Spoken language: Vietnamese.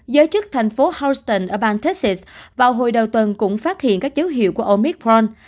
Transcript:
giới chức thành phố houston ở bang tex vào hồi đầu tuần cũng phát hiện các dấu hiệu của omithron